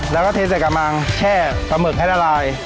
แล้วก็เทใส่กระมังแช่ปลาหมึกให้ละลาย